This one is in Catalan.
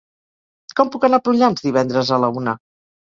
Com puc anar a Prullans divendres a la una?